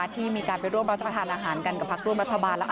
ที่มีการไปร่วมมาทานอาหารกับภาคร่วงรัฐบาล